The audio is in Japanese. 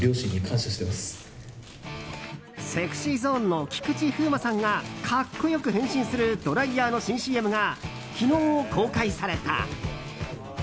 ＳｅｘｙＺｏｎｅの菊池風磨さんが格好よく変身するドライヤーの新ＣＭが昨日、公開された。